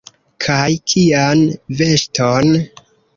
Kaj kian veŝton?